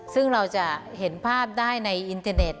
ซึ่งเราจะเห็นภาพได้ในอินเทอร์เน็ต